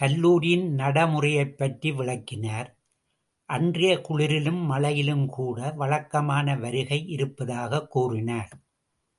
கல்லூரியின் நடைமுறையைப் பற்றி விளக்கினார், அன்றைய குளிரிலும் மழையிலும்கூட, வழக்கமான வருகை இருப்பதாகக் கூறினார்.